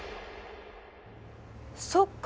そっか。